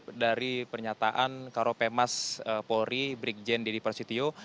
dan ini juga menutip dari pernyataan karopemas polri brikjen dedy prasetyo